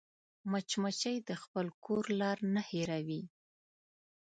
مچمچۍ د خپل کور لار نه هېروي